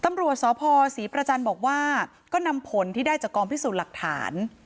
ตำรวจสพศรีประจันทร์บอกว่าก็นำผลที่ได้จากกองพิสูจน์หลักฐาน